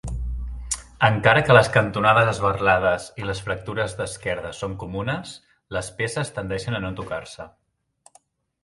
Encara que les cantonades esberlades i les fractures d'esquerdes són comunes, les peces tendeixen a no tacar-se.